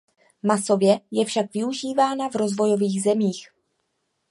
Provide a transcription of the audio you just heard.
Masově je však využívána v rozvojových zemích.